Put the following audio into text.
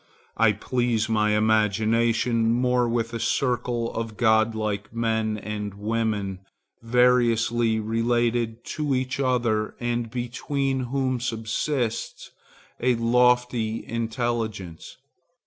I please my imagination more with a circle of godlike men and women variously related to each other and between whom subsists a lofty intelligence.